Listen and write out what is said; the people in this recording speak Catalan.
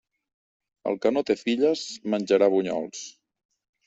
El que no té filles, menjarà bunyols.